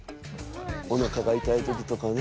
おなかが痛い時とかね。